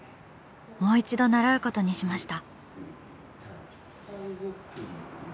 もう一度習うことにしました。